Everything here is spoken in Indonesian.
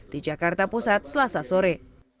di jakarta pusat selasa sore